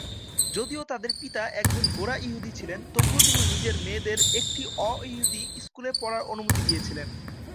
যদিও তাঁদের পিতা একজন গোঁড়া ইহুদি ছিলেন, তবুও তিনি নিজের মেয়েদের একটি অ-ইহুদি স্কুলে পড়ার অনুমতি দিয়েছিলেন।